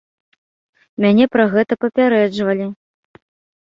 Мяне пра гэта папярэджвалі.